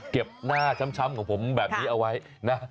หน้าช้ำของผมแบบนี้เอาไว้นะ